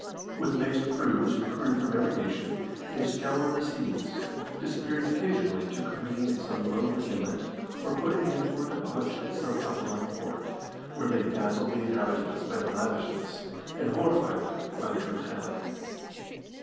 With mixed crews, recruited from every nation, they scoured the seas, disappearing occasionally to careen in some lonely inlet, or putting in for a debauch at some outlying port, where they dazzled the inhabitants by their lavishness, and horrified them by their brutalities.